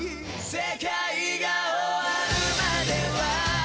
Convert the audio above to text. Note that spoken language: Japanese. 「世界が終るまでは」